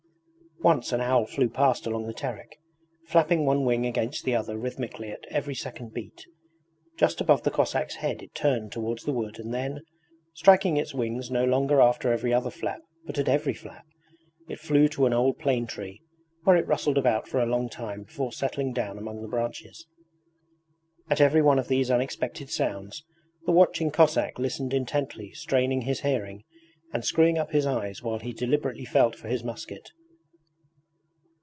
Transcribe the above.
Once an owl flew past along the Terek, flapping one wing against the other rhythmically at every second beat. Just above the Cossack's head it turned towards the wood and then, striking its wings no longer after every other flap but at every flap, it flew to an old plane tree where it rustled about for a long time before settling down among the branches. At every one of these unexpected sounds the watching Cossack listened intently, straining his hearing, and screwing up his eyes while he deliberately felt for his musket.